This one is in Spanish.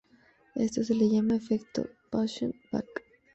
Esto se llama el efecto Paschen-Back.